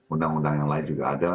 undang undang yang lain juga ada